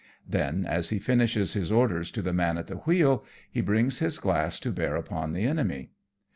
Then, as he finishes his orders to the man at the wheel, he brings his glass to bear upon the enemy.